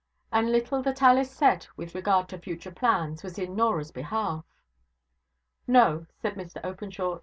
The little that Alice said with regard to future plans was in Norah's behalf. 'No,' said Mr Openshaw.